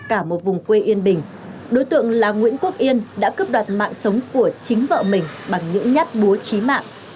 cả một vùng quê yên bình đối tượng là nguyễn quốc yên đã cướp đoạt mạng sống của chính vợ mình bằng những nhát búa trí mạng